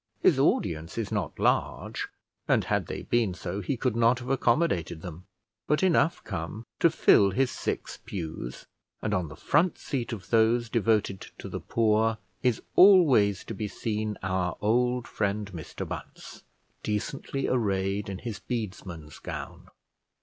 His audience is not large; and, had they been so, he could not have accommodated them: but enough come to fill his six pews, and on the front seat of those devoted to the poor is always to be seen our old friend Mr Bunce, decently arrayed in his bedesman's gown.